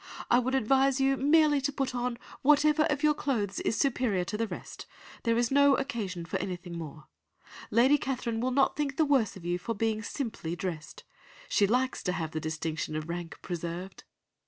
I would advise you merely to put on whatever of your clothes is superior to the rest, there is no occasion for anything more. Lady Catherine will not think the worse of you for being simply dressed. She likes to have the distinction of rank preserved.